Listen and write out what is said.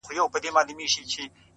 په خبرو کي خبري پيدا کيږي”